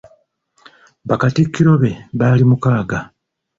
Bakatikkiro be baali mukaaga.